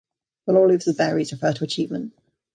The laurel leaves with berries refer to achievement.